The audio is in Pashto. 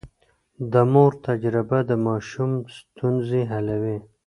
د مور تجربه د ماشوم ستونزې حلوي.